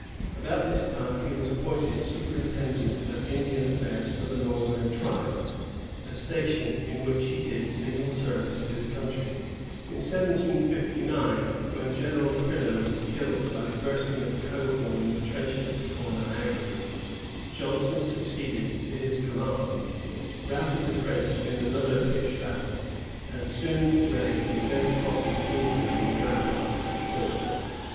About this time, he was appointed superintendent of Indian affairs for the northern tribes, a station in which he did signal service to the country. In 1759, when General Prideaux was killed by the bursting of a cohorn in the trenches before Niagara, Johnson succeeded to his command, routed the French in another pitched battle, and soon raised the red cross of England on the ramparts of the fort.